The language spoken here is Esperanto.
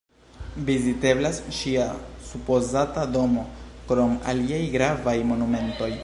Viziteblas ŝia supozata domo, krom aliaj gravaj monumentoj.